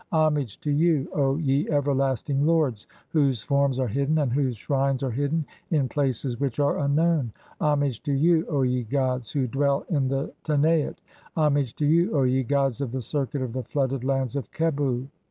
Homage to you, O ye everlasting lords, (4) whose "forms are hidden and whose shrines are hidden in places which "are unknown ! Homage to you, (5) O ye gods, who dwell in "the Tenait(?)! Homage to you, O ye gods of the circuit of "the flooded lands of Qebhu